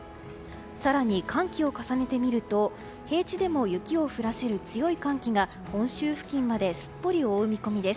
更に寒気を重ねてみると平地でも雪を降らせる強い寒気が本州付近まですっぽり覆う見込みです。